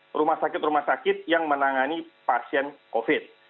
dan rumah sakit rumah sakit yang menangani pasien covid